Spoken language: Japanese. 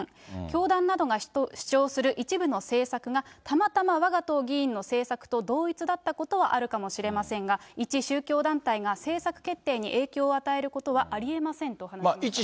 教団などが主張する一部の政策が、たまたまわが党議員の政策と同一だったことはあるかもしれませんが、一宗教団体が政策決定に影響を与えることはありえませんと話しました。